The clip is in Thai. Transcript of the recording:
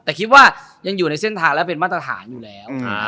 แต่คิดว่ายังอยู่ในเส้นทางและเป็นมาตรฐานอยู่แล้ว